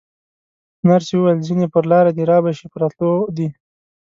نرسې وویل: ځینې پر لاره دي، رابه شي، په راتلو دي.